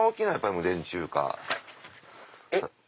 無電柱化。